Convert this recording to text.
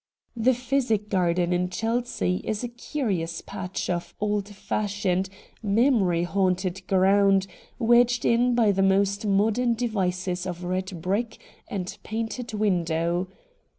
The Physic Garden in Chelsea is a cu rious patch of old fashioned, memory haunted 138 RED DIAMONDS ground, wedged in by the most modern devices of red brick and painted window.